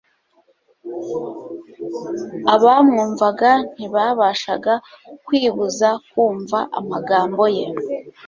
Abamwumvaga ntibabashaga kwibuza kumva amagambo ye,